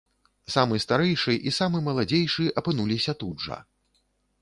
Самы старэйшы і самы маладзейшы апынуліся тут жа.